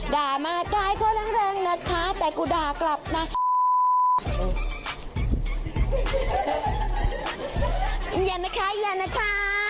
ด่ามาตายเขาเริ่งนะคะแต่กูด่ากลับน่าอียันนะคะอียันนะคะ